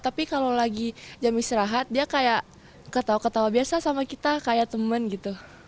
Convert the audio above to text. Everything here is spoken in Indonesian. tapi kalau lagi jam istirahat dia kayak ketawa ketawa biasa sama kita kayak temen gitu